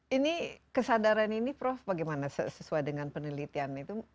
ini kesadaran ini prof bagaimana sesuai dengan penelitian itu